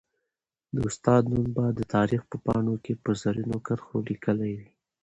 د استاد نوم به د تاریخ په پاڼو کي په زرینو کرښو ليکلی وي.